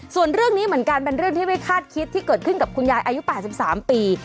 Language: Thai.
ส่วนเรื่องนี้เหมือนกันเป็นเรื่องที่ไม่คาดคิดที่เกิดขึ้นกับคุณยายอายุ๘๓ปี